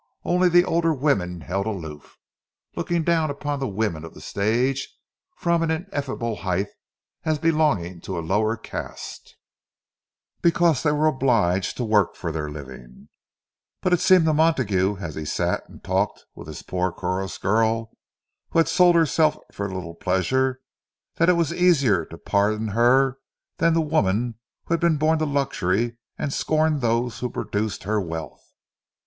Only the older women held aloof; looking down upon the women of the stage from an ineffable height, as belonging to a lower caste—because they were obliged to work for their livings. But it seemed to Montague, as he sat and talked with this poor chorus girl, who had sold herself for a little pleasure, that it was easier to pardon her than the woman who had been born to luxury, and scorned those who produced her wealth.